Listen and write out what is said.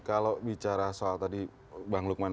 kalau bicara soal tadi bang lukman